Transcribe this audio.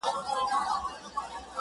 په لسگونو انسانان یې وه وژلي؛